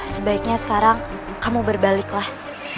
sebaiknya sekarang kamu berbaliklah